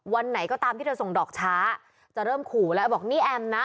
ไหนก็ตามที่เธอส่งดอกช้าจะเริ่มขู่แล้วบอกนี่แอมนะ